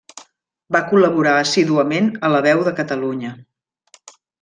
Va col·laborar assíduament a La Veu de Catalunya.